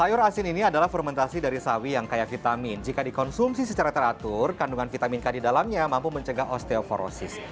sayur asin ini adalah fermentasi dari sawi yang kaya vitamin jika dikonsumsi secara teratur kandungan vitamin k di dalamnya mampu mencegah osteoporosis